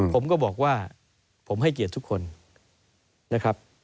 ผมก็บอกว่าผมให้เกียรติทุกคนนะครับ